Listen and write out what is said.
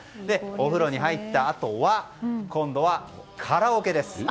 お風呂に入ったあとは今度はカラオケです。